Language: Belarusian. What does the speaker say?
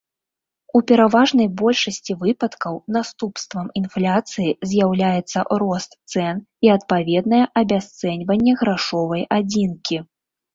У пераважнай большасці выпадкаў наступствам інфляцыі з'яўляецца рост цэн і адпаведнае абясцэньванне грашовай адзінкі.